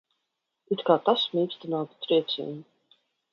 It kā tas mīkstinātu triecienu.